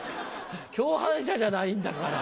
共犯者じゃないんだから。